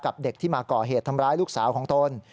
เด็กที่มาก่อเหตุทำร้ายลูกสาวของตน